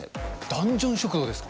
ダンジョン食堂ですか？